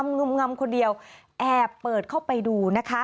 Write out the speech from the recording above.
งึมงำคนเดียวแอบเปิดเข้าไปดูนะคะ